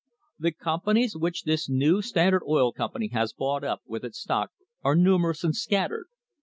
The companies which this new Standard Oil Company has bought up with its stock are numerous and scattered.